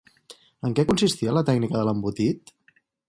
En què consistia la tècnica de l'embotit?